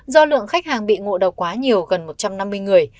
do lượng khách hàng bị ngộ độc quá nhiều gần một trăm năm mươi người